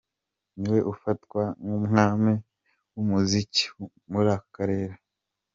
Ni we ufatwa nk'umwami w'umuziki muri aka karere.